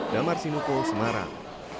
damar sinuko semarang